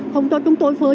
không cho chúng tôi phơi